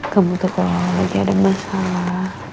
kamu tuh kalau lagi ada masalah